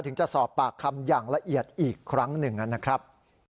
ถึงจะสอบปากคำอย่างละเอียดอีกครั้งหนึ่งนะครับ